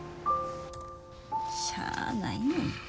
しゃあないねんて。